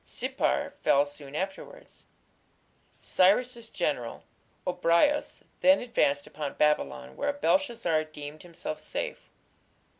Sippar fell soon afterwards. Cyrus's general, Gobryas, then advanced upon Babylon, where Belshazzar deemed himself safe.